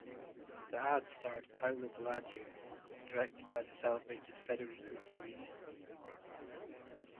The ad starred Paolo Villaggio, and was directed by the celebrated Federico Fellini.